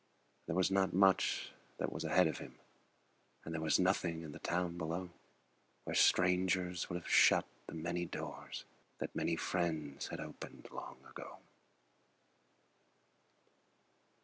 There was not much that was ahead of him, And there was nothing in the town below Where strangers would have shut the many doors That many friends had opened long ago.